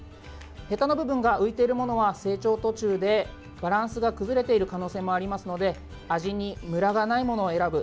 へたの部分が浮いているものは成長途中でバランスが崩れている可能性もありますので味にムラがないものを選ぶ。